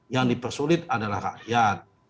yang dipersulit adalah rakyat